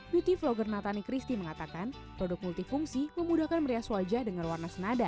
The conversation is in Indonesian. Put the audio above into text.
beauty vlogger natani christie mengatakan produk multifungsi memudahkan merias wajah dengan warna senada